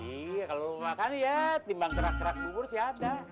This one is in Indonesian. iya kalau lo makan ya timbang kerak kerak bubur sihat dah